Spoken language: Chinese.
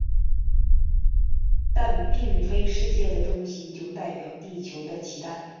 但并非世界的中心就代表地球的肚脐。